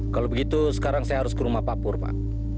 kalau begitu sekarang saya harus ke rumah papur pak